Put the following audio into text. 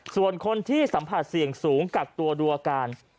ส่วนคนที่สัมผัสเสี่ยงสูงกักตัวดูอาการ